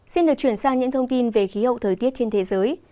xin được chuyển sang những thông tin về khí hậu thời tiết trên thế giới